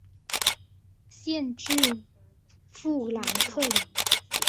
县治富兰克林。